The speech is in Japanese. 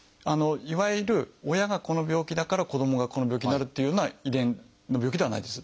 いわゆる親がこの病気だから子どもがこの病気になるっていうような遺伝の病気ではないです。